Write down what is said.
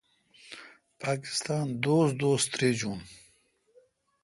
پاکستان دوس پہ دوس ترجون۔